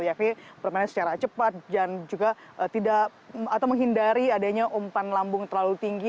yakni permainan secara cepat dan juga tidak atau menghindari adanya umpan lambung terlalu tinggi